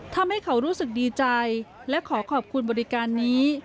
ทำให้เขารู้สึกดีใจและขอขอบคุณบริการนี้